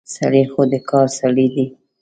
سړی خو د کار سړی دی.